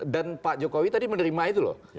dan pak jokowi tadi menerima itu loh